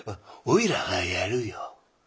おいらがやるよ。